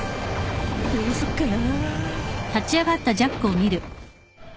どうすっかなぁ。